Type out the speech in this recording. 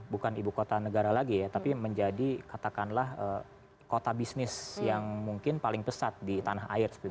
bukan ibu kota negara lagi ya tapi menjadi katakanlah kota bisnis yang mungkin paling pesat di tanah air